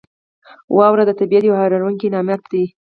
• واوره د طبعیت یو حیرانونکی نعمت دی.